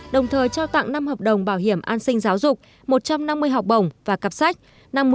đồng thời trao tặng năm hợp đồng bảo hiểm an sinh giáo dục một trăm năm mươi học bổng và cặp sách